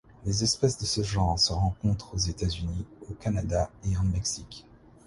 Les espèces de ce genre se rencontrent aux États-Unis, au Canada et en Mexique.